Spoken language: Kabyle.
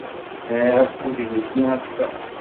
Sɛiɣ akud ilelli ass-a.